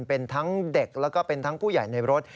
เป็นทั้งเด็กแล้วก็เป็นทั้งผู้ใหญ่ในรถ